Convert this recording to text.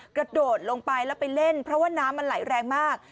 กระโดดลงไปแล้วไปเล่นเพราะว่าน้ำมันไหลแรงมาก